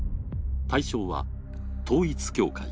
対象は統一教会。